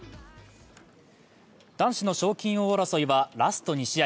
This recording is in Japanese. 男子の賞金王争いはラスト２試合